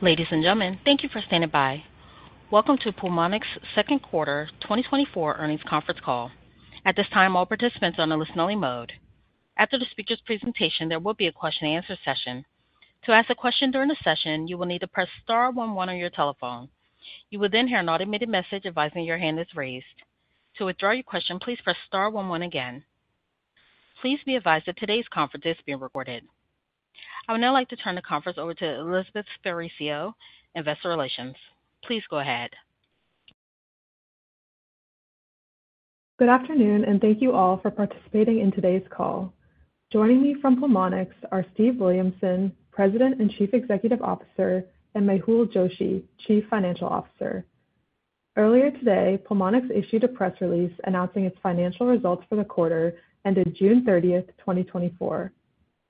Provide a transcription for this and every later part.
Ladies and gentlemen, thank you for standing by. Welcome to Pulmonx's second quarter 2024 earnings conference call. At this time, all participants are on a listening mode. After the speaker's presentation, there will be a question-and-answer session. To ask a question during the session, you will need to press star one one on your telephone. You will then hear an automated message advising your hand is raised. To withdraw your question, please press star one one again. Please be advised that today's conference is being recorded. I would now like to turn the conference over to Elizabeth Sparacio, Investor Relations. Please go ahead. Good afternoon, and thank you all for participating in today's call. Joining me from Pulmonx are Steve Williamson, President and Chief Executive Officer, and Mehul Joshi, Chief Financial Officer. Earlier today, Pulmonx issued a press release announcing its financial results for the quarter ended June 30th, 2024.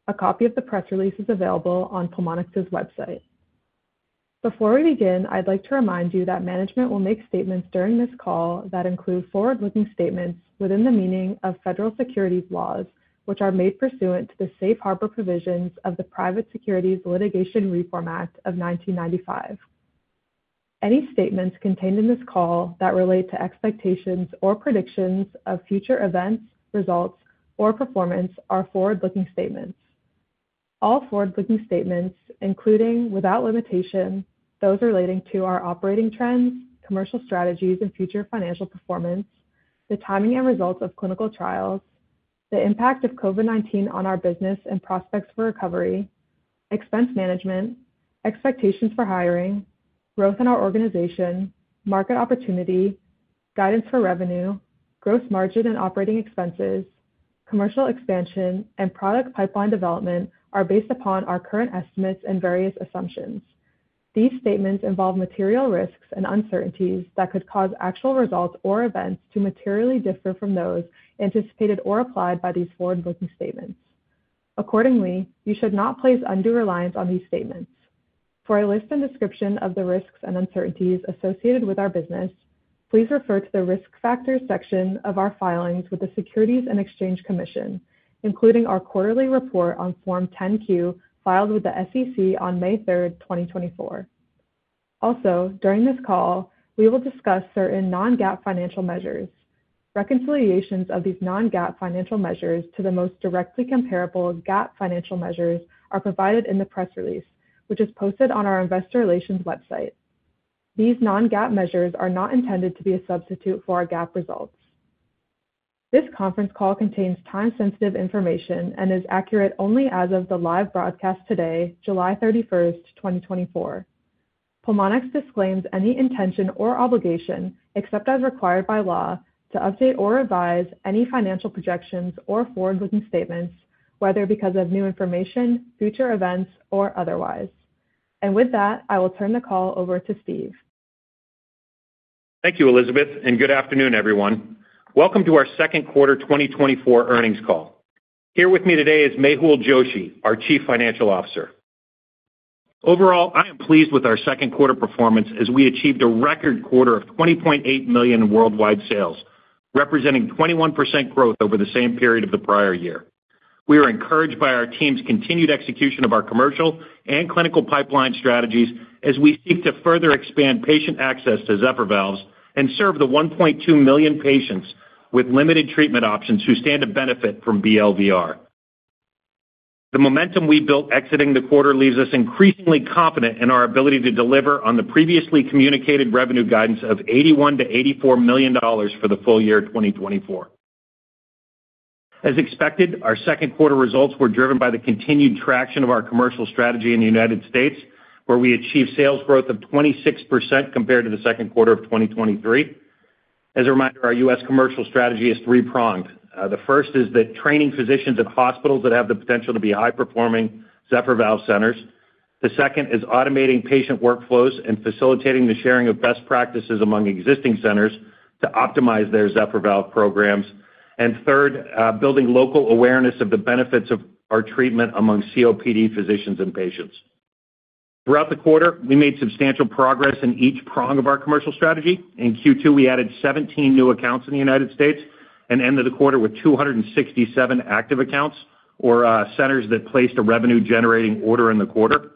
A copy of the press release is available on Pulmonx's website. Before we begin, I'd like to remind you that management will make statements during this call that include forward-looking statements within the meaning of federal securities laws, which are made pursuant to the Safe Harbor Provisions of the Private Securities Litigation Reform Act of 1995. Any statements contained in this call that relate to expectations or predictions of future events, results, or performance are forward-looking statements. All forward-looking statements, including, without limitation, those relating to our operating trends, commercial strategies and future financial performance, the timing and results of clinical trials, the impact of COVID-19 on our business and prospects for recovery, expense management, expectations for hiring, growth in our organization, market opportunity, guidance for revenue, gross margin and operating expenses, commercial expansion, and product pipeline development, are based upon our current estimates and various assumptions. These statements involve material risks and uncertainties that could cause actual results or events to materially differ from those anticipated or applied by these forward-looking statements. Accordingly, you should not place undue reliance on these statements. For a list and description of the risks and uncertainties associated with our business, please refer to the Risk Factors section of our filings with the Securities and Exchange Commission, including our quarterly report on Form 10-Q, filed with the SEC on May 3rd, 2024. Also, during this call, we will discuss certain non-GAAP financial measures. Reconciliations of these non-GAAP financial measures to the most directly comparable GAAP financial measures are provided in the press release, which is posted on our investor relations website. These non-GAAP measures are not intended to be a substitute for our GAAP results. This conference call contains time-sensitive information and is accurate only as of the live broadcast today, July 31st, 2024. Pulmonx disclaims any intention or obligation, except as required by law, to update or revise any financial projections or forward-looking statements, whether because of new information, future events, or otherwise. With that, I will turn the call over to Steve. Thank you, Elizabeth, and good afternoon, everyone. Welcome to our second quarter 2024 earnings call. Here with me today is Mehul Joshi, our Chief Financial Officer. Overall, I am pleased with our second quarter performance as we achieved a record quarter of $20.8 million in worldwide sales, representing 21% growth over the same period of the prior year. We are encouraged by our team's continued execution of our commercial and clinical pipeline strategies as we seek to further expand patient access to Zephyr Valves and serve the 1.2 million patients with limited treatment options who stand to benefit from BLVR. The momentum we built exiting the quarter leaves us increasingly confident in our ability to deliver on the previously communicated revenue guidance of $81 million-$84 million for the full year 2024. As expected, our second quarter results were driven by the continued traction of our commercial strategy in the United States, where we achieved sales growth of 26% compared to the second quarter of 2023. As a reminder, our U.S. commercial strategy is three-pronged. The first is that training physicians at hospitals that have the potential to be high-performing Zephyr Valve centers. The second is automating patient workflows and facilitating the sharing of best practices among existing centers to optimize their Zephyr Valve programs. And third, building local awareness of the benefits of our treatment among COPD physicians and patients. Throughout the quarter, we made substantial progress in each prong of our commercial strategy. In Q2, we added 17 new accounts in the United States and ended the quarter with 267 active accounts or, centers that placed a revenue-generating order in the quarter.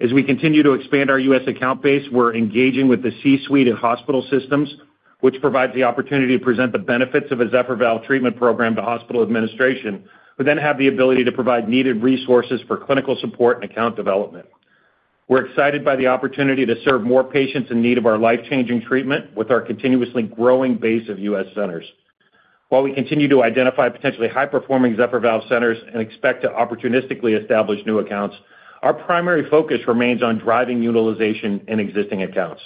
As we continue to expand our U.S. account base, we're engaging with the C-suite of hospital systems, which provides the opportunity to present the benefits of a Zephyr Valve treatment program to hospital administration, who then have the ability to provide needed resources for clinical support and account development. We're excited by the opportunity to serve more patients in need of our life-changing treatment with our continuously growing base of U.S. centers. While we continue to identify potentially high-performing Zephyr Valve centers and expect to opportunistically establish new accounts, our primary focus remains on driving utilization in existing accounts.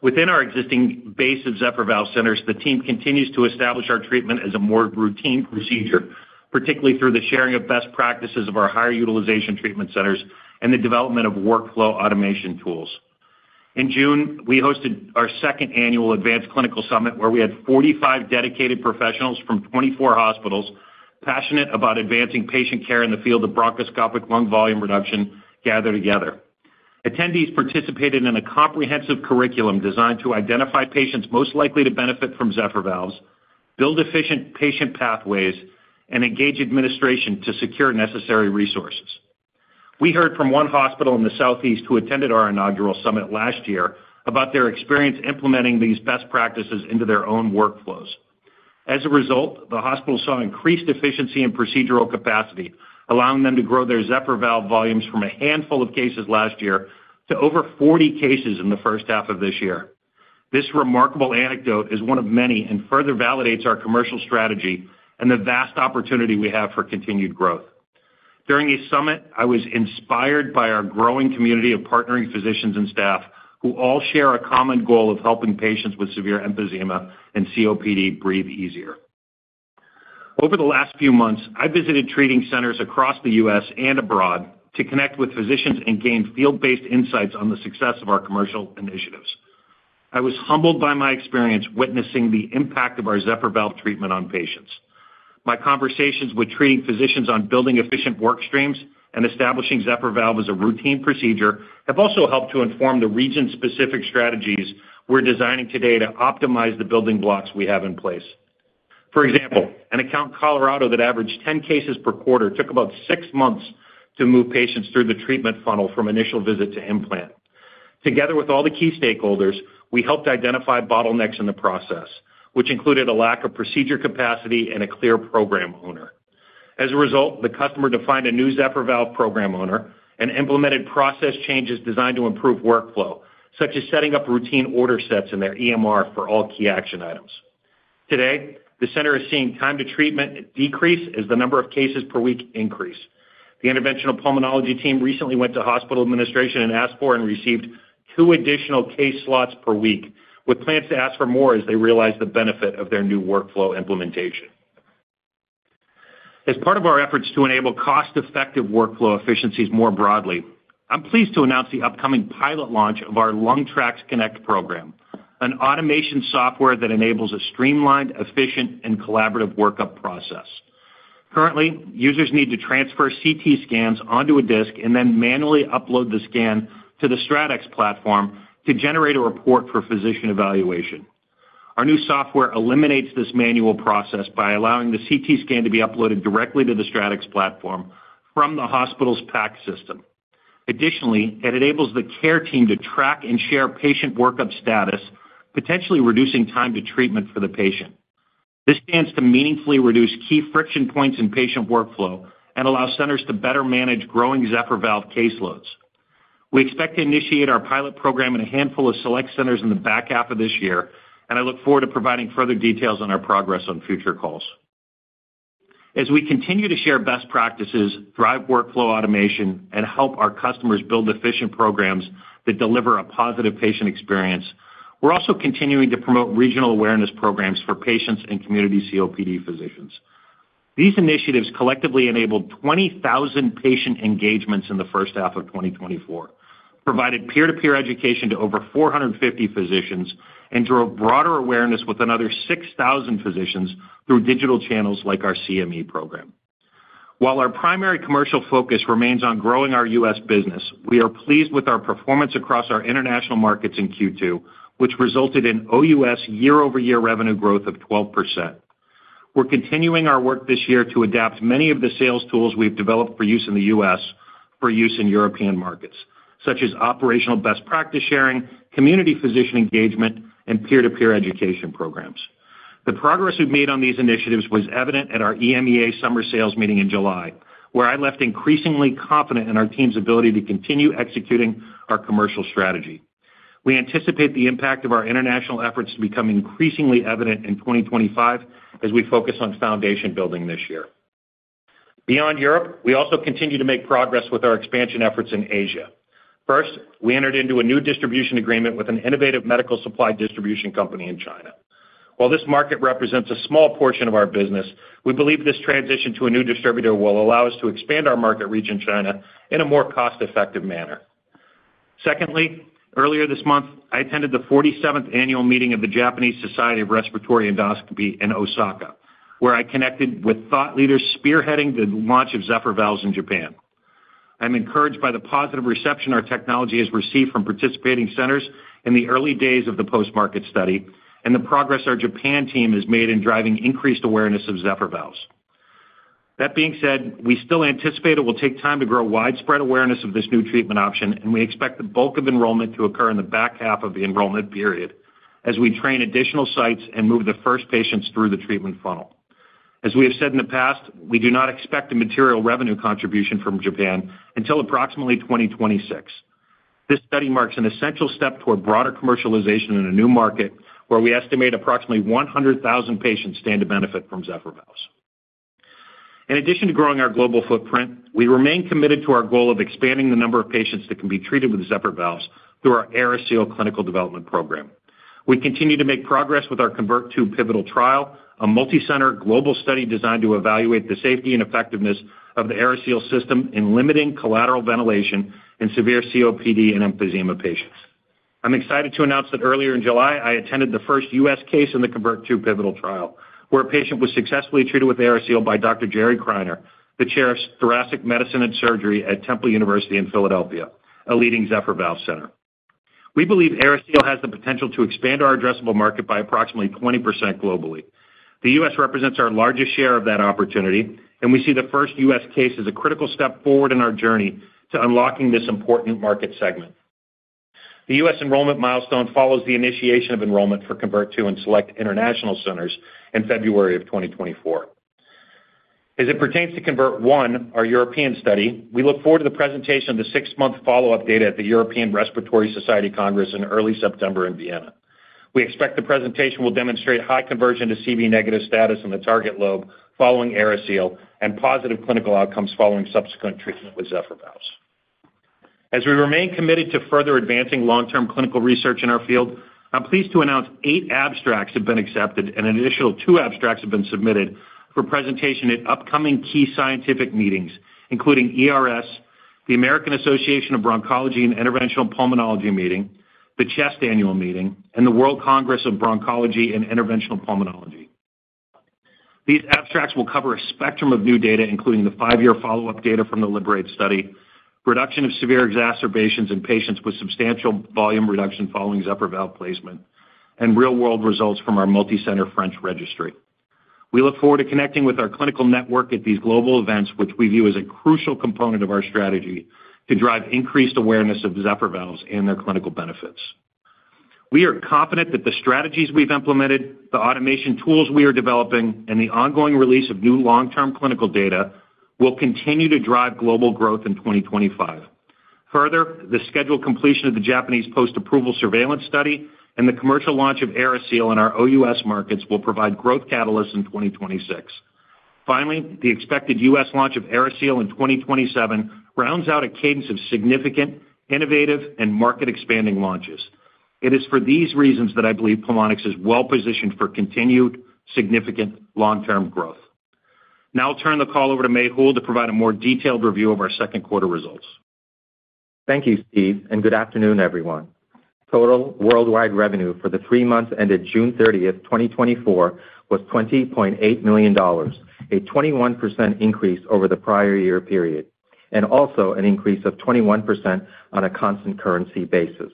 Within our existing base of Zephyr Valve centers, the team continues to establish our treatment as a more routine procedure, particularly through the sharing of best practices of our higher-utilization treatment centers and the development of workflow automation tools. In June, we hosted our second annual Advanced Clinical Summit, where we had 45 dedicated professionals from 24 hospitals, passionate about advancing patient care in the field of bronchoscopic lung volume reduction, gather together. Attendees participated in a comprehensive curriculum designed to identify patients most likely to benefit from Zephyr Valves, build efficient patient pathways, and engage administration to secure necessary resources. We heard from one hospital in the Southeast who attended our inaugural summit last year about their experience implementing these best practices into their own workflows. As a result, the hospital saw increased efficiency and procedural capacity, allowing them to grow their Zephyr Valve volumes from a handful of cases last year to over 40 cases in the first half of this year. This remarkable anecdote is one of many and further validates our commercial strategy and the vast opportunity we have for continued growth. During this summit, I was inspired by our growing community of partnering physicians and staff, who all share a common goal of helping patients with severe emphysema and COPD breathe easier. Over the last few months, I visited treating centers across the U.S. and abroad to connect with physicians and gain field-based insights on the success of our commercial initiatives. I was humbled by my experience witnessing the impact of our Zephyr Valve treatment on patients. My conversations with treating physicians on building efficient work streams and establishing Zephyr Valve as a routine procedure have also helped to inform the region-specific strategies we're designing today to optimize the building blocks we have in place. For example, an account in Colorado that averaged 10 cases per quarter took about six months to move patients through the treatment funnel from initial visit to implant. Together with all the key stakeholders, we helped identify bottlenecks in the process, which included a lack of procedure capacity and a clear program owner. As a result, the customer defined a new Zephyr Valve program owner and implemented process changes designed to improve workflow, such as setting up routine order sets in their EMR for all key action items. Today, the center is seeing time to treatment decrease as the number of cases per week increase. The interventional pulmonology team recently went to hospital administration and asked for and received two additional case slots per week, with plans to ask for more as they realize the benefit of their new workflow implementation. As part of our efforts to enable cost-effective workflow efficiencies more broadly, I'm pleased to announce the upcoming pilot launch of our LungTraX Connect program, an automation software that enables a streamlined, efficient, and collaborative workup process. Currently, users need to transfer CT scans onto a disk and then manually upload the scan to the StratX Platform to generate a report for physician evaluation. Our new software eliminates this manual process by allowing the CT scan to be uploaded directly to the StratX Platform from the hospital's PACS system. Additionally, it enables the care team to track and share patient workup status, potentially reducing time to treatment for the patient. This stands to meaningfully reduce key friction points in patient workflow and allow centers to better manage growing Zephyr Valve caseloads. We expect to initiate our pilot program in a handful of select centers in the back half of this year, and I look forward to providing further details on our progress on future calls. As we continue to share best practices, drive workflow automation, and help our customers build efficient programs that deliver a positive patient experience, we're also continuing to promote regional awareness programs for patients and community COPD physicians. These initiatives collectively enabled 20,000 patient engagements in the first half of 2024, provided peer-to-peer education to over 450 physicians, and drove broader awareness with another 6,000 physicians through digital channels like our CME program. While our primary commercial focus remains on growing our U.S. business, we are pleased with our performance across our international markets in Q2, which resulted in OUS year-over-year revenue growth of 12%. We're continuing our work this year to adapt many of the sales tools we've developed for use in the U.S. for use in European markets, such as operational best practice sharing, community physician engagement, and peer-to-peer education programs. The progress we've made on these initiatives was evident at our EMEA summer sales meeting in July, where I left increasingly confident in our team's ability to continue executing our commercial strategy. We anticipate the impact of our international efforts to become increasingly evident in 2025 as we focus on foundation building this year. Beyond Europe, we also continue to make progress with our expansion efforts in Asia. First, we entered into a new distribution agreement with an innovative medical supply distribution company in China. While this market represents a small portion of our business, we believe this transition to a new distributor will allow us to expand our market reach in China in a more cost-effective manner. Secondly, earlier this month, I attended the 47th annual meeting of the Japanese Society of Respiratory Endoscopy in Osaka, where I connected with thought leaders spearheading the launch of Zephyr Valves in Japan. I'm encouraged by the positive reception our technology has received from participating centers in the early days of the post-market study and the progress our Japan team has made in driving increased awareness of Zephyr Valves. That being said, we still anticipate it will take time to grow widespread awareness of this new treatment option, and we expect the bulk of enrollment to occur in the back half of the enrollment period as we train additional sites and move the first patients through the treatment funnel. As we have said in the past, we do not expect a material revenue contribution from Japan until approximately 2026. This study marks an essential step toward broader commercialization in a new market, where we estimate approximately 100,000 patients stand to benefit from Zephyr Valves. In addition to growing our global footprint, we remain committed to our goal of expanding the number of patients that can be treated with Zephyr Valves through our AeriSeal clinical development program. We continue to make progress with our CONVERT II pivotal trial, a multicenter global study designed to evaluate the safety and effectiveness of the AeriSeal system in limiting collateral ventilation in severe COPD and emphysema patients. I'm excited to announce that earlier in July, I attended the first U.S. case in the CONVERT II pivotal trial, where a patient was successfully treated with AeriSeal by Dr. Jerry Criner, the Chair of Thoracic Medicine and Surgery at Temple University in Philadelphia, a leading Zephyr Valve center. We believe AeriSeal has the potential to expand our addressable market by approximately 20% globally. The U.S. represents our largest share of that opportunity, and we see the first U.S. case as a critical step forward in our journey to unlocking this important market segment. The U.S. enrollment milestone follows the initiation of enrollment for CONVERT II in select international centers in February 2024. As it pertains to CONVERT I, our European study, we look forward to the presentation of the six-month follow-up data at the European Respiratory Society Congress in early September in Vienna. We expect the presentation will demonstrate high conversion to CV-negative status in the target lobe following AeriSeal and positive clinical outcomes following subsequent treatment with Zephyr Valves.As we remain committed to further advancing long-term clinical research in our field, I'm pleased to announce eight abstracts have been accepted, and an initial two abstracts have been submitted for presentation at upcoming key scientific meetings, including ERS, the American Association of Bronchology and Interventional Pulmonology Meeting, the CHEST Annual Meeting, and the World Congress of Bronchology and Interventional Pulmonology. These abstracts will cover a spectrum of new data, including the five-year follow-up data from the LIBERATE study, reduction of severe exacerbations in patients with substantial volume reduction following Zephyr valve placement, and real-world results from our multicenter French registry. We look forward to connecting with our clinical network at these global events, which we view as a crucial component of our strategy to drive increased awareness of Zephyr Valves and their clinical benefits. We are confident that the strategies we've implemented, the automation tools we are developing, and the ongoing release of new long-term clinical data will continue to drive global growth in 2025. Further, the scheduled completion of the Japanese post-approval surveillance study and the commercial launch of AeriSeal in our OUS markets will provide growth catalysts in 2026. Finally, the expected U.S. launch of AeriSeal in 2027 rounds out a cadence of significant, innovative, and market-expanding launches. It is for these reasons that I believe Pulmonx is well positioned for continued, significant long-term growth. Now I'll turn the call over to Mehul to provide a more detailed review of our second quarter results. Thank you, Steve, and good afternoon, everyone. Total worldwide revenue for the three months ended June 30th, 2024, was $20.8 million, a 21% increase over the prior year period, and also an increase of 21% on a constant currency basis.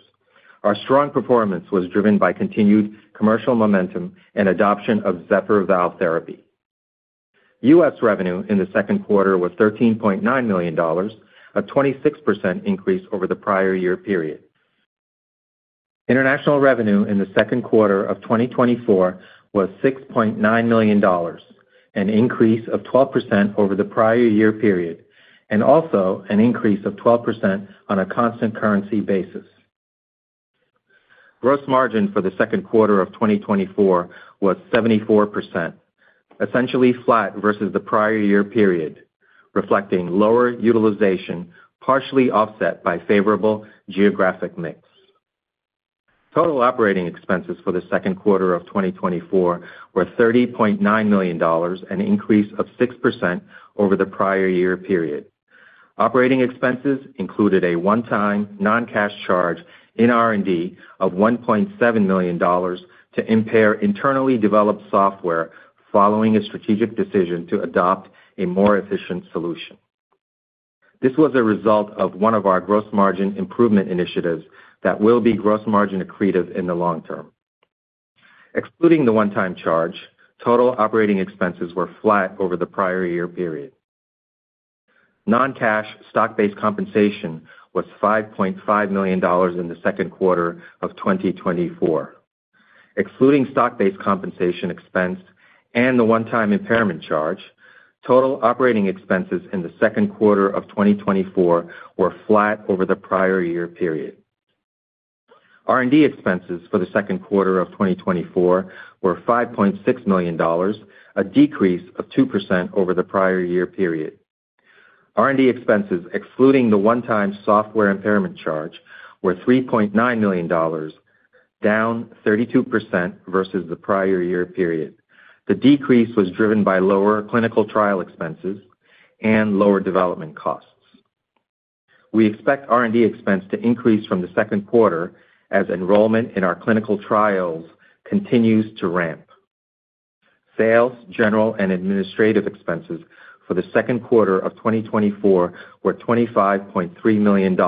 Our strong performance was driven by continued commercial momentum and adoption of Zephyr valve therapy. U.S. revenue in the second quarter was $13.9 million, a 26% increase over the prior year period. International revenue in the second quarter of 2024 was $6.9 million, an increase of 12% over the prior year period, and also an increase of 12% on a constant currency basis. Gross margin for the second quarter of 2024 was 74%, essentially flat versus the prior year period, reflecting lower utilization, partially offset by favorable geographic mix. Total operating expenses for the second quarter of 2024 were $30.9 million, an increase of 6% over the prior year period. Operating expenses included a one-time non-cash charge in R&D of $1.7 million to impair internally developed software following a strategic decision to adopt a more efficient solution. This was a result of one of our gross margin improvement initiatives that will be gross margin accretive in the long term. Excluding the one-time charge, total operating expenses were flat over the prior year period. Non-cash stock-based compensation was $5.5 million in the second quarter of 2024. Excluding stock-based compensation expense and the one-time impairment charge, total operating expenses in the second quarter of 2024 were flat over the prior year period. R&D expenses for the second quarter of 2024 were $5.6 million, a decrease of 2% over the prior year period. R&D expenses, excluding the one-time software impairment charge, were $3.9 million, down 32% versus the prior year period. The decrease was driven by lower clinical trial expenses and lower development costs. We expect R&D expense to increase from the second quarter as enrollment in our clinical trials continues to ramp. Sales, general, and administrative expenses for the second quarter of 2024 were $25.3 million,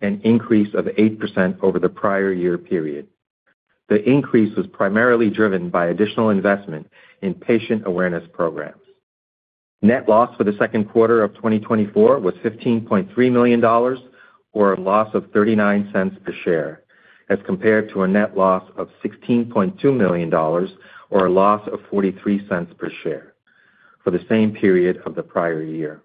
an increase of 8% over the prior year period. The increase was primarily driven by additional investment in patient awareness programs. Net loss for the second quarter of 2024 was $15.3 million or a loss of $0.39 per share, as compared to a net loss of $16.2 million or a loss of $0.43 per share for the same period of the prior year.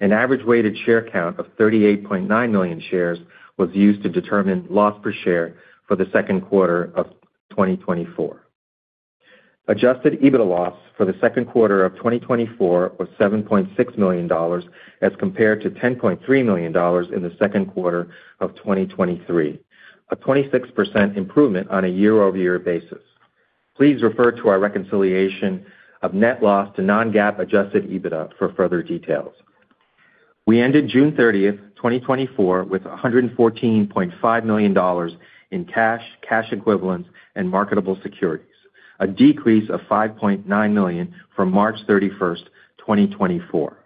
An average weighted share count of 38.9 million shares was used to determine loss per share for the second quarter of 2024. Adjusted EBITDA loss for the second quarter of 2024 was $7.6 million, as compared to $10.3 million in the second quarter of 2023, a 26% improvement on a year-over-year basis. Please refer to our reconciliation of net loss to non-GAAP Adjusted EBITDA for further details. We ended June 30th, 2024, with $114.5 million in cash, cash equivalents, and marketable securities, a decrease of $5.9 million from March 31st, 2024.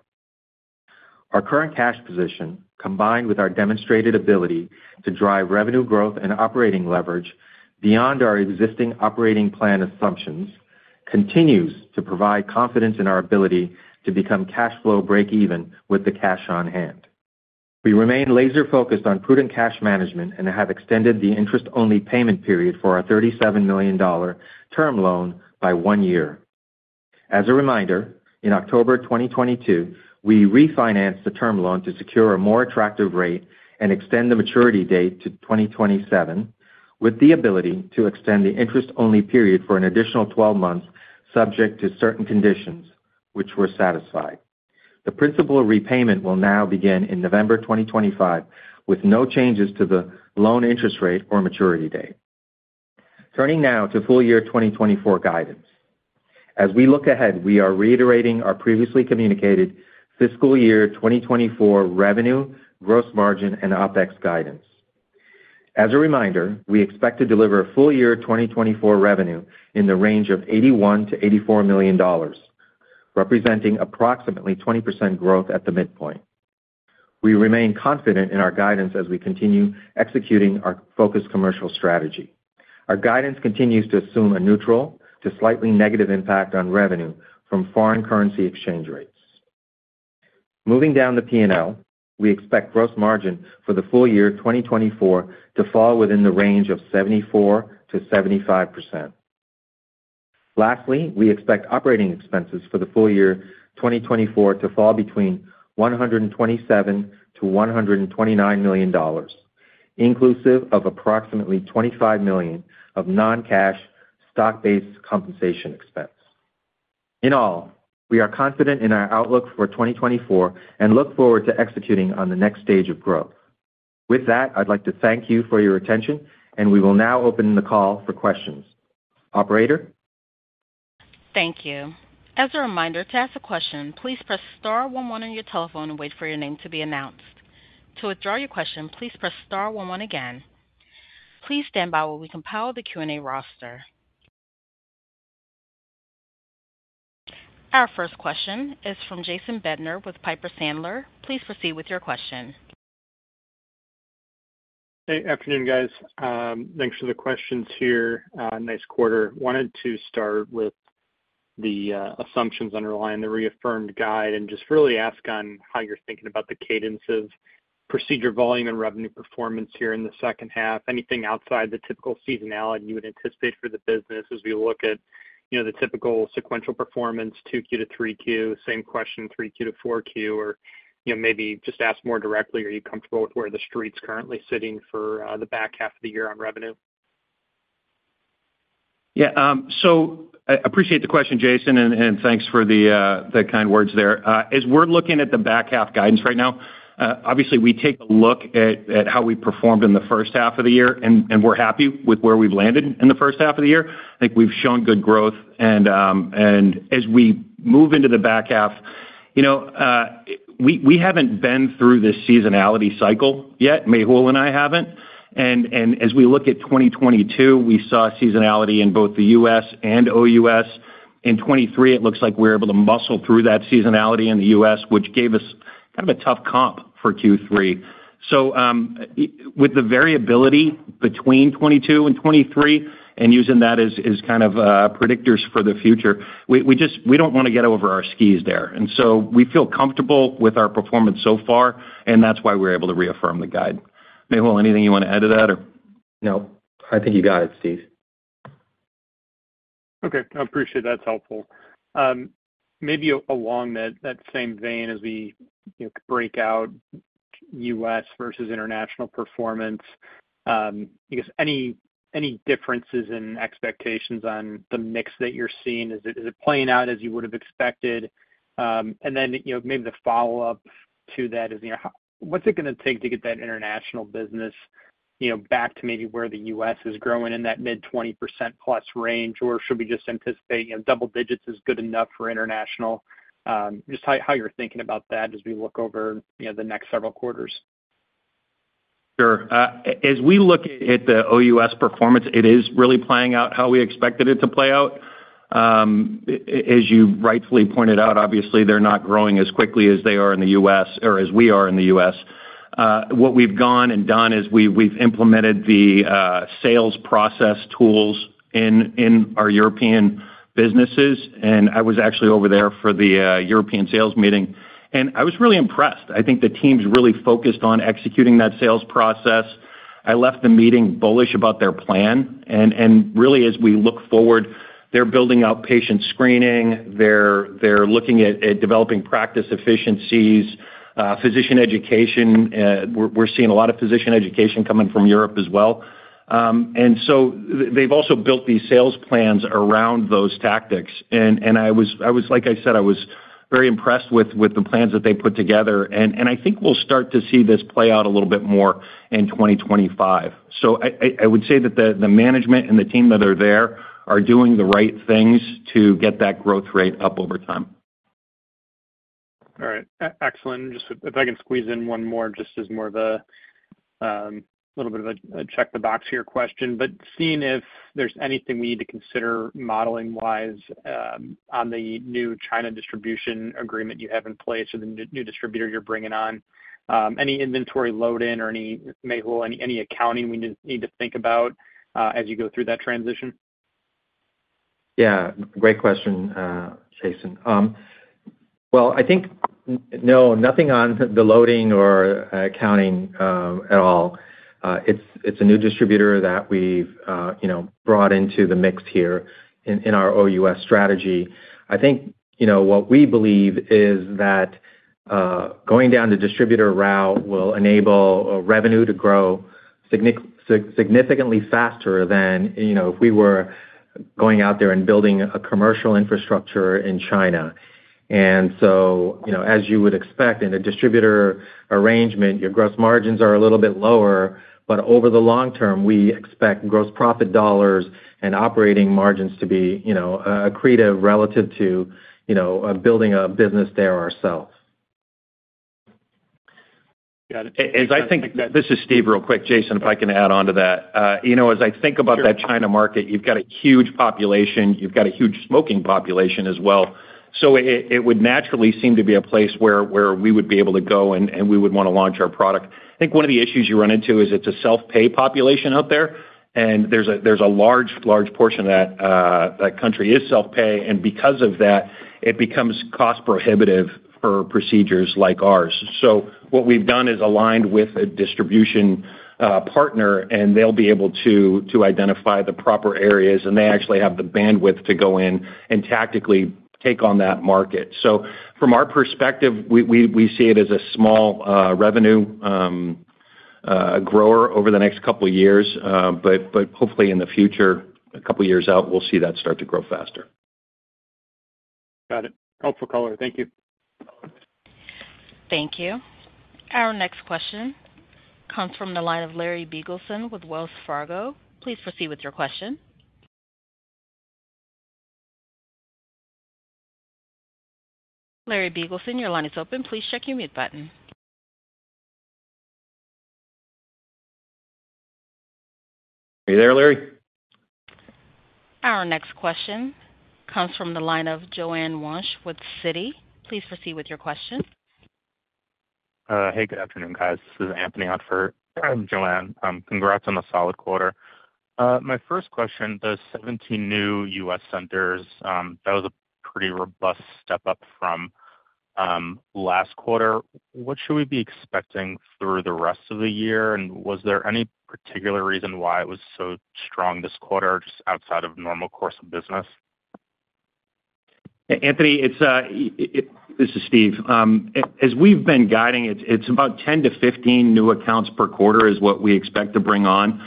...Our current cash position, combined with our demonstrated ability to drive revenue growth and operating leverage beyond our existing operating plan assumptions, continues to provide confidence in our ability to become cash flow breakeven with the cash on hand. We remain laser focused on prudent cash management and have extended the interest-only payment period for our $37 million term loan by one year. As a reminder, in October 2022, we refinanced the term loan to secure a more attractive rate and extend the maturity date to 2027, with the ability to extend the interest-only period for an additional 12 months, subject to certain conditions which were satisfied. The principal repayment will now begin in November 2025, with no changes to the loan interest rate or maturity date. Turning now to full year 2024 guidance. As we look ahead, we are reiterating our previously communicated fiscal year 2024 revenue, gross margin, and OpEx guidance. As a reminder, we expect to deliver full year 2024 revenue in the range of $81 million-$84 million, representing approximately 20% growth at the midpoint. We remain confident in our guidance as we continue executing our focused commercial strategy. Our guidance continues to assume a neutral to slightly negative impact on revenue from foreign currency exchange rates. Moving down the P&L, we expect gross margin for the full year 2024 to fall within the range of 74%-75%. Lastly, we expect operating expenses for the full year 2024 to fall between $127 million-$129 million, inclusive of approximately $25 million of non-cash stock-based compensation expense. In all, we are confident in our outlook for 2024 and look forward to executing on the next stage of growth. With that, I'd like to thank you for your attention, and we will now open the call for questions. Operator? Thank you. As a reminder, to ask a question, please press star one one on your telephone and wait for your name to be announced. To withdraw your question, please press star one one again. Please stand by while we compile the Q&A roster. Our first question is from Jason Bednar with Piper Sandler. Please proceed with your question. Hey, afternoon, guys. Thanks for the questions here. Nice quarter. Wanted to start with the assumptions underlying the reaffirmed guide, and just really ask on how you're thinking about the cadence of procedure volume and revenue performance here in the second half. Anything outside the typical seasonality you would anticipate for the business as we look at, you know, the typical sequential performance, 2Q-3Q? Same question, 3Q-4Q, or, you know, maybe just ask more directly, are you comfortable with where the street's currently sitting for the back half of the year on revenue? Yeah, so I appreciate the question, Jason, and thanks for the kind words there. As we're looking at the back half guidance right now, obviously, we take a look at how we performed in the first half of the year, and we're happy with where we've landed in the first half of the year. I think we've shown good growth, and as we move into the back half, you know, we haven't been through this seasonality cycle yet, Mehul and I haven't. And as we look at 2022, we saw seasonality in both the U.S. and OUS. In 2023, it looks like we're able to muscle through that seasonality in the U.S., which gave us kind of a tough comp for Q3. So, with the variability between 2022 and 2023, and using that as kind of predictors for the future, we just, we don't wanna get over our skis there. And so we feel comfortable with our performance so far, and that's why we're able to reaffirm the guide. Mehul, anything you want to add to that or? No, I think you got it, Steve. Okay, I appreciate that's helpful. Maybe along that same vein as we, you know, break out U.S. versus international performance, I guess any differences in expectations on the mix that you're seeing? Is it playing out as you would have expected? And then, you know, maybe the follow-up to that is, you know, what's it gonna take to get that international business, you know, back to maybe where the U.S. is growing in that mid-20%+ range? Or should we just anticipate, you know, double-digits is good enough for international? Just how you're thinking about that as we look over, you know, the next several quarters. Sure. As we look at the OUS performance, it is really playing out how we expected it to play out. As you rightfully pointed out, obviously, they're not growing as quickly as they are in the U.S. or as we are in the U.S. What we've gone and done is we've implemented the sales process tools in our European businesses, and I was actually over there for the European sales meeting, and I was really impressed. I think the team's really focused on executing that sales process. I left the meeting bullish about their plan, and really, as we look forward, they're building out patient screening, they're looking at developing practice efficiencies, physician education. We're seeing a lot of physician education coming from Europe as well. And so they've also built these sales plans around those tactics, and I was—like I said—I was very impressed with the plans that they put together, and I think we'll start to see this play out a little bit more in 2025. So I would say that the management and the team that are there are doing the right things to get that growth rate up over time. All right. Excellent. Just if I can squeeze in one more, just as more of a little bit of a check the box here question, but seeing if there's anything we need to consider modeling-wise, on the new China distribution agreement you have in place, or the new distributor you're bringing on, any inventory load in or any, Mehul, any accounting we need to think about, as you go through that transition? Yeah, great question, Jason. Well, I think no, nothing on the loading or accounting, at all. It's a new distributor that we've, you know, brought into the mix here in our OUS strategy. I think, you know, what we believe is that going down the distributor route will enable revenue to grow significantly faster than, you know, if we were going out there and building a commercial infrastructure in China. And so, you know, as you would expect in a distributor arrangement, your gross margins are a little bit lower, but over the long term, we expect gross profit dollars and operating margins to be, you know, accretive relative to, you know, building a business there ourselves. Got it. As I think. This is Steve, real quick, Jason, if I can add on to that. You know, as I think about- Sure... that China market, you've got a huge population, you've got a huge smoking population as well. So it would naturally seem to be a place where we would be able to go and we would wanna launch our product. I think one of the issues you run into is it's a self-pay population out there, and there's a large portion of that country is self-pay, and because of that, it becomes cost prohibitive for procedures like ours. So what we've done is aligned with a distribution partner, and they'll be able to identify the proper areas, and they actually have the bandwidth to go in and tactically take on that market. So from our perspective, we see it as a small revenue grower over the next couple of years. Hopefully in the future, a couple of years out, we'll see that start to grow faster. Got it. Helpful color. Thank you. Thank you. Our next question comes from the line of Larry Biegelsen with Wells Fargo. Please proceed with your question. Larry Biegelsen, your line is open. Please check your mute button. Are you there, Larry? Our next question comes from the line of Joanne Wuensch with Citi. Please proceed with your question. Hey, good afternoon, guys. This is Anthony on for Joanne. Congrats on the solid quarter. My first question, the 17 new U.S. centers, that was a pretty robust step up from, last quarter. What should we be expecting through the rest of the year? And was there any particular reason why it was so strong this quarter, just outside of normal course of business? Anthony, this is Steve. As we've been guiding, it's about 10-15 new accounts per quarter is what we expect to bring on.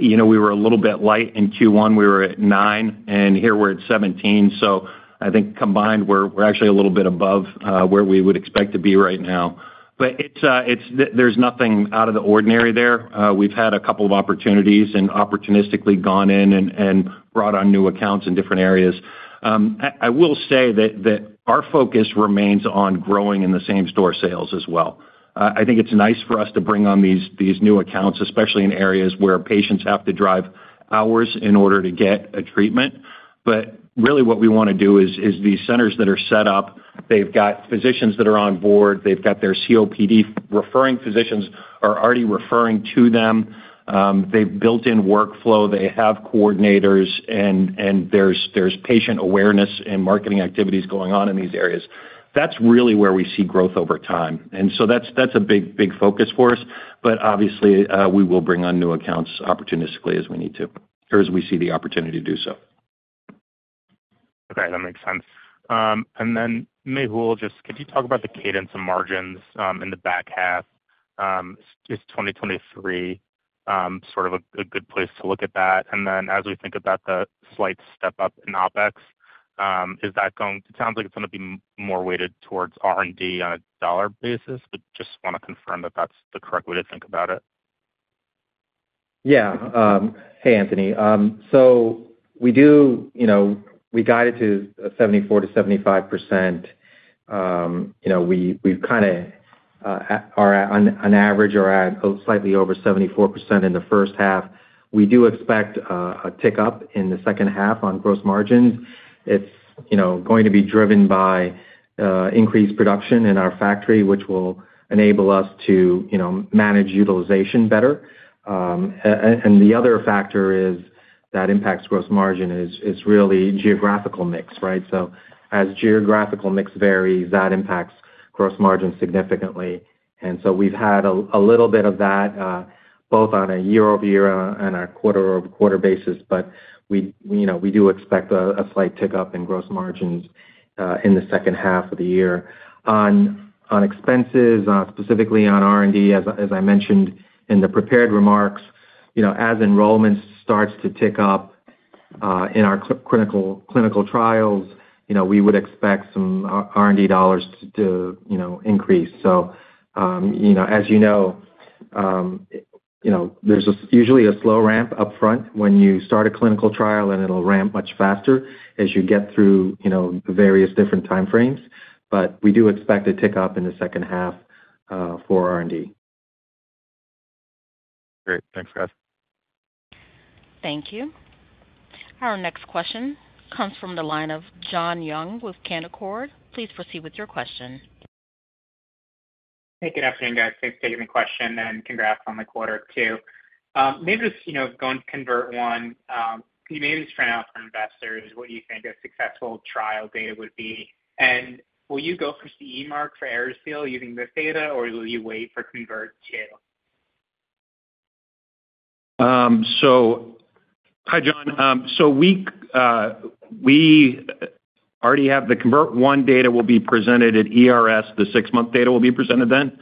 You know, we were a little bit light in Q1, we were at nine, and here we're at 17. So I think combined, we're actually a little bit above where we would expect to be right now. But it's nothing out of the ordinary there. We've had a couple of opportunities and opportunistically gone in and brought on new accounts in different areas. I will say that our focus remains on growing in the same-store sales as well. I think it's nice for us to bring on these new accounts, especially in areas where patients have to drive hours in order to get a treatment. But really what we wanna do is these centers that are set up, they've got physicians that are on board, they've got their COPD referring physicians are already referring to them, they've built in workflow, they have coordinators, and there's patient awareness and marketing activities going on in these areas. That's really where we see growth over time. And so that's a big, big focus for us. But obviously, we will bring on new accounts opportunistically as we need to, or as we see the opportunity to do so. Okay, that makes sense. And then Mehul, just could you talk about the cadence and margins in the back half? Is 2023 sort of a good place to look at that? And then as we think about the slight step up in OpEx, is that going- it sounds like it's gonna be more weighted towards R&D on a dollar basis, but just wanna confirm that that's the correct way to think about it. Yeah. Hey, Anthony. So we do... You know, we guided to a 74%-75%. You know, we, we've kinda, on average, are at slightly over 74% in the first half. We do expect a tick up in the second half on gross margins. It's, you know, going to be driven by increased production in our factory, which will enable us to, you know, manage utilization better. And the other factor that impacts gross margin is really geographical mix, right? So as geographical mix varies, that impacts gross margin significantly. And so we've had a little bit of that both on a year-over-year and a quarter-over-quarter basis, but we, you know, we do expect a slight tick up in gross margins in the second half of the year. On expenses, specifically on R&D, as I mentioned in the prepared remarks, you know, as enrollment starts to tick up in our clinical trials, you know, we would expect some R&D dollars to increase. So, you know, as you know, you know, there's usually a slow ramp up front when you start a clinical trial, and it'll ramp much faster as you get through various different time frames. But we do expect a tick up in the second half for R&D.... Great. Thanks, guys. Thank you. Our next question comes from the line of Jon Young with Canaccord. Please proceed with your question. Hey, good afternoon, guys. Thanks for taking the question, and congrats on the quarter, too. Maybe just, you know, going to CONVERT I, can you maybe just point out for investors what you think a successful trial data would be? And will you go for CE mark for AeriSeal using this data, or will you wait for CONVERT II? So hi, Jon. So we already have the CONVERT I data will be presented at ERS. The six-month data will be presented then.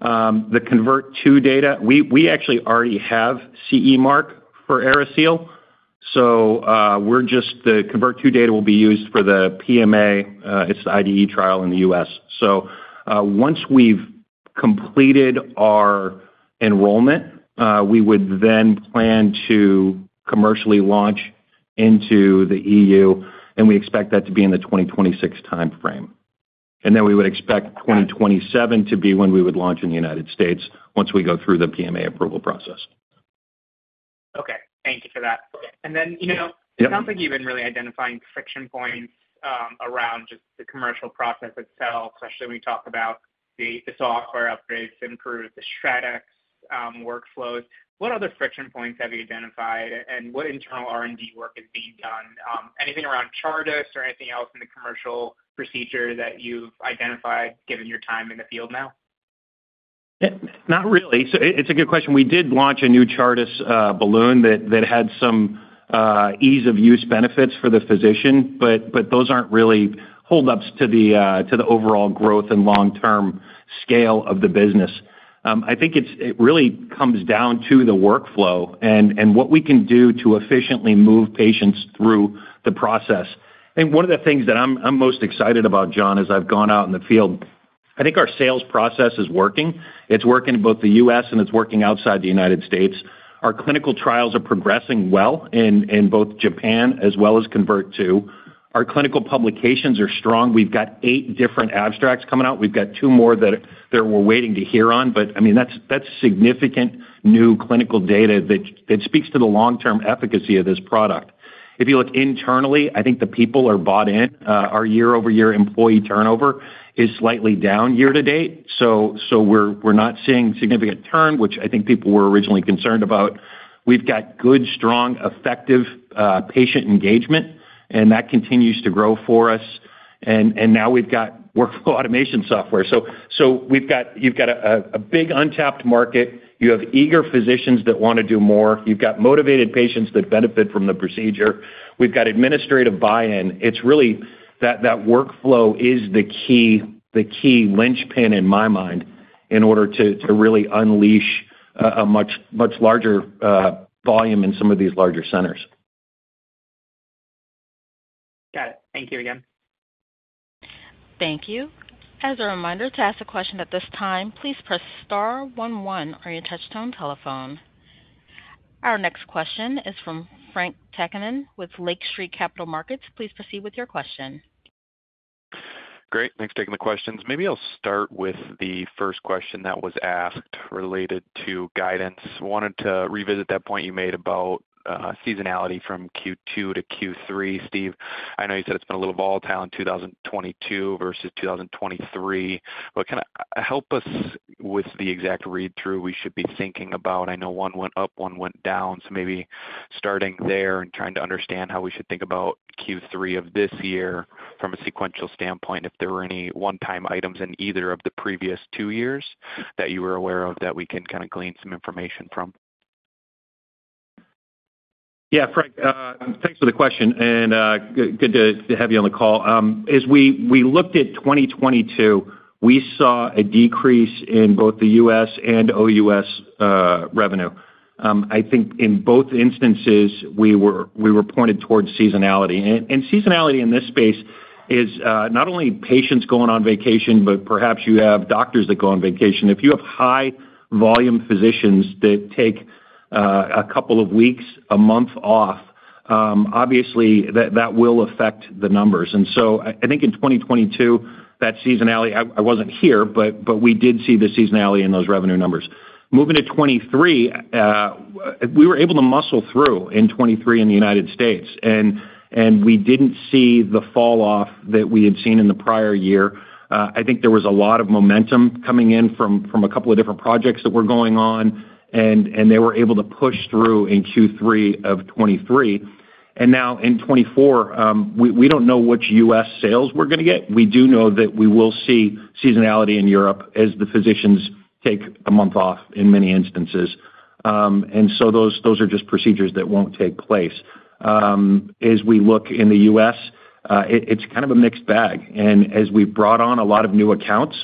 The CONVERT II data, we actually already have CE mark for AeriSeal, so, we're just—the CONVERT II data will be used for the PMA, its IDE trial in the U.S. So, once we've completed our enrollment, we would then plan to commercially launch into the EU, and we expect that to be in the 2026 time frame. And then we would expect 2027 to be when we would launch in the United States, once we go through the PMA approval process. Okay. Thank you for that. And then, you know- Yep. -it sounds like you've been really identifying friction points around just the commercial process itself, especially when we talk about the, the software upgrades to improve the StratX workflows. What other friction points have you identified, and what internal R&D work is being done? Anything around Chartis or anything else in the commercial procedure that you've identified, given your time in the field now? Yeah. Not really. So it's a good question. We did launch a new Chartis balloon that had some ease of use benefits for the physician, but those aren't really holdups to the overall growth and long-term scale of the business. I think it really comes down to the workflow and what we can do to efficiently move patients through the process. I think one of the things that I'm most excited about, Jon, as I've gone out in the field, I think our sales process is working. It's working in both the U.S., and it's working outside the United States. Our clinical trials are progressing well in both Japan, as well as CONVERT II. Our clinical publications are strong. We've got eight different abstracts coming out. We've got two more that we're waiting to hear on, but I mean, that's significant new clinical data that speaks to the long-term efficacy of this product. If you look internally, I think the people are bought in. Our year-over-year employee turnover is slightly down year to date, so we're not seeing significant turn, which I think people were originally concerned about. We've got good, strong, effective patient engagement, and that continues to grow for us. And now we've got workflow automation software. So we've got. You've got a big untapped market. You have eager physicians that want to do more. You've got motivated patients that benefit from the procedure. We've got administrative buy-in. It's really that workflow is the key linchpin in my mind, in order to really unleash a much larger volume in some of these larger centers. Got it. Thank you again. Thank you. As a reminder, to ask a question at this time, please press star one one on your touchtone telephone. Our next question is from Frank Takkinen with Lake Street Capital Markets. Please proceed with your question. Great. Thanks for taking the questions. Maybe I'll start with the first question that was asked related to guidance. Wanted to revisit that point you made about seasonality from Q2-Q3. Steve, I know you said it's been a little volatile in 2022 versus 2023. But kind of help us with the exact read-through we should be thinking about. I know one went up, one went down, so maybe starting there and trying to understand how we should think about Q3 of this year from a sequential standpoint, if there were any one-time items in either of the previous two years that you were aware of that we can kind of glean some information from. Yeah, Frank, thanks for the question, and good to have you on the call. As we looked at 2022, we saw a decrease in both the U.S. and OUS revenue. I think in both instances, we were pointed towards seasonality. And seasonality in this space is not only patients going on vacation, but perhaps you have doctors that go on vacation. If you have high-volume physicians that take a couple of weeks, a month off, obviously, that will affect the numbers. And so I think in 2022, that seasonality... I wasn't here, but we did see the seasonality in those revenue numbers. Moving to 2023, we were able to muscle through in 2023 in the United States, and we didn't see the falloff that we had seen in the prior year. I think there was a lot of momentum coming in from a couple of different projects that were going on, and they were able to push through in Q3 of 2023. And now in 2024, we don't know which U.S. sales we're going to get. We do know that we will see seasonality in Europe as the physicians take a month off in many instances. And so those are just procedures that won't take place. As we look in the U.S., it's kind of a mixed bag, and as we've brought on a lot of new accounts,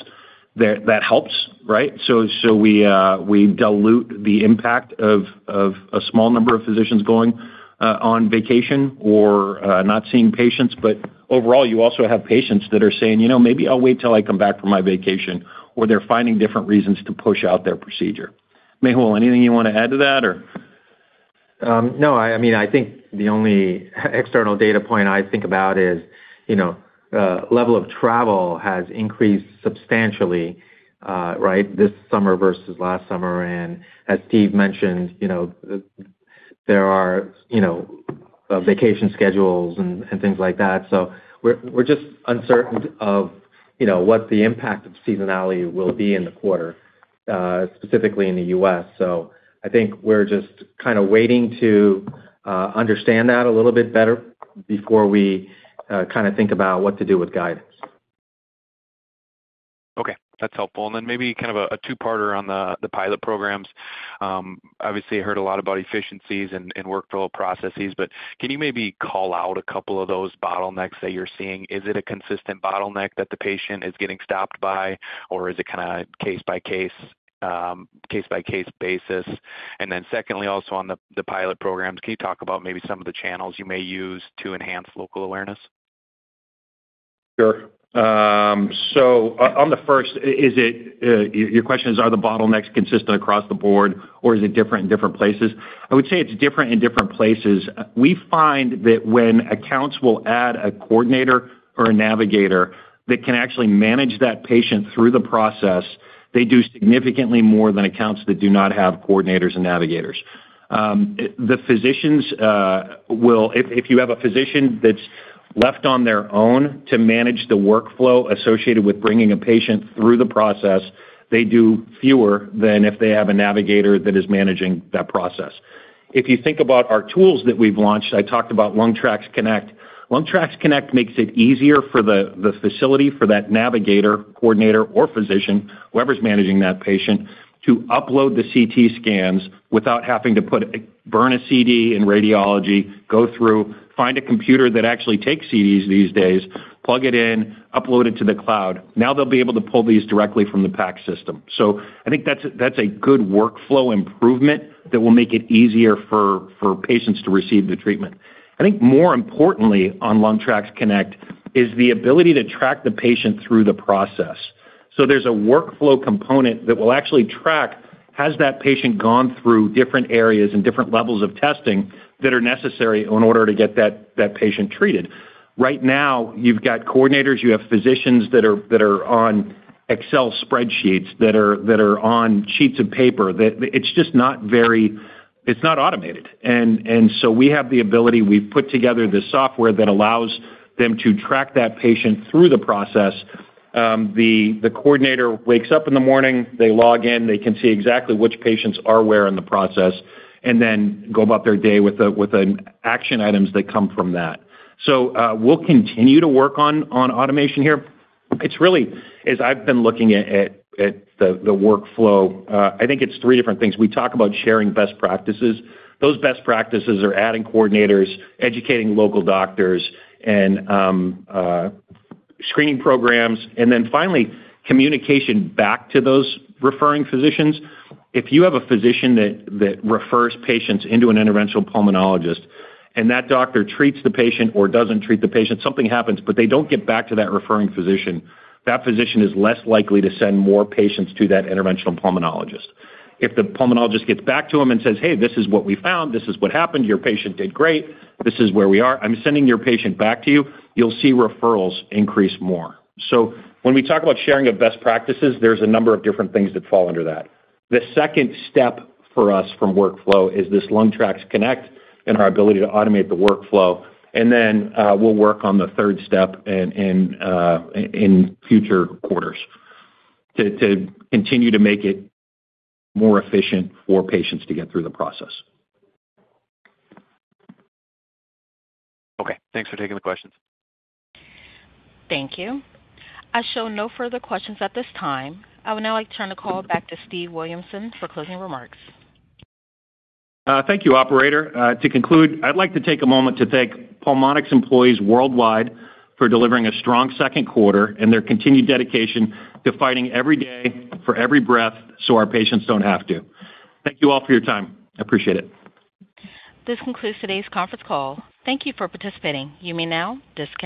that helps, right? So we dilute the impact of a small number of physicians going on vacation or not seeing patients. But overall, you also have patients that are saying, "You know, maybe I'll wait till I come back from my vacation," or they're finding different reasons to push out their procedure. Mehul, anything you want to add to that or?... No, I mean, I think the only external data point I think about is, you know, level of travel has increased substantially, right, this summer versus last summer. And as Steve mentioned, you know, there are, you know, vacation schedules and things like that. So we're just uncertain of, you know, what the impact of seasonality will be in the quarter, specifically in the U.S. So I think we're just kind of waiting to understand that a little bit better before we kind of think about what to do with guidance. Okay, that's helpful. And then maybe kind of a two-parter on the pilot programs. Obviously, I heard a lot about efficiencies and workflow processes, but can you maybe call out a couple of those bottlenecks that you're seeing? Is it a consistent bottleneck that the patient is getting stopped by, or is it kind of case by case, case by case basis? And then secondly, also on the pilot programs, can you talk about maybe some of the channels you may use to enhance local awareness? Sure. So on the first, is it, your question is, are the bottlenecks consistent across the board, or is it different in different places? I would say it's different in different places. We find that when accounts will add a coordinator or a navigator that can actually manage that patient through the process, they do significantly more than accounts that do not have coordinators and navigators. The physicians will... If you have a physician that's left on their own to manage the workflow associated with bringing a patient through the process, they do fewer than if they have a navigator that is managing that process. If you think about our tools that we've launched, I talked about LungTraX Connect. LungTraX Connect makes it easier for the facility, for that navigator, coordinator or physician, whoever's managing that patient, to upload the CT scans without having to burn a CD in radiology, go through, find a computer that actually takes CDs these days, plug it in, upload it to the cloud. Now, they'll be able to pull these directly from the PACS system. So I think that's a good workflow improvement that will make it easier for patients to receive the treatment. I think more importantly, on LungTraX Connect, is the ability to track the patient through the process. So there's a workflow component that will actually track, has that patient gone through different areas and different levels of testing that are necessary in order to get that patient treated? Right now, you've got coordinators, you have physicians that are on Excel spreadsheets, that are on sheets of paper, that it's just not very, it's not automated. And so we have the ability, we've put together this software that allows them to track that patient through the process. The coordinator wakes up in the morning, they log in, they can see exactly which patients are where in the process, and then go about their day with the action items that come from that. So, we'll continue to work on automation here. It's really, as I've been looking at the workflow, I think it's three different things. We talk about sharing best practices. Those best practices are adding coordinators, educating local doctors, and screening programs, and then finally, communication back to those referring physicians. If you have a physician that refers patients into an interventional pulmonologist, and that doctor treats the patient or doesn't treat the patient, something happens, but they don't get back to that referring physician, that physician is less likely to send more patients to that interventional pulmonologist. If the pulmonologist gets back to them and says, "Hey, this is what we found. This is what happened. Your patient did great. This is where we are. I'm sending your patient back to you," you'll see referrals increase more. So when we talk about sharing of best practices, there's a number of different things that fall under that. The second step for us from workflow is this LungTraX Connect and our ability to automate the workflow. And then we'll work on the third step in future quarters to continue to make it more efficient for patients to get through the process. Okay, thanks for taking the questions. Thank you. I show no further questions at this time. I would now like to turn the call back to Steve Williamson for closing remarks. Thank you, operator. To conclude, I'd like to take a moment to thank Pulmonx employees worldwide for delivering a strong second quarter and their continued dedication to fighting every day for every breath, so our patients don't have to. Thank you all for your time. I appreciate it. This concludes today's conference call. Thank you for participating. You may now disconnect.